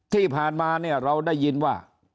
ที่ผ่านมาเนี่ยเราได้ยินว่า